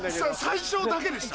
最初だけでした？